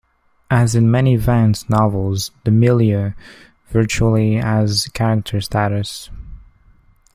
As in many Vance novels, the milieu virtually has character status.